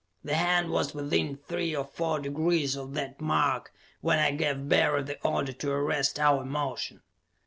The hand was within three or four degrees of that mark when I gave Barry the order to arrest our motion.